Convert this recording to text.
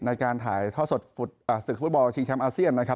ในการถ่ายท่อสดศึกฟุตบอลชิงแชมป์อาเซียนนะครับ